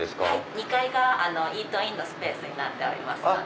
２階がイートインのスペースになっておりますので。